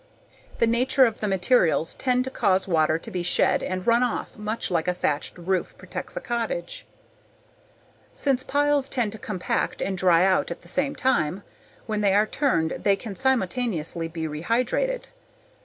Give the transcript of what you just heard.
The nature of the materials tends to cause water to be shed and run off much like a thatched roof protects a cottage. Since piles tend to compact and dry out at the same time, when they are turned they can simultaneously be rehydrated.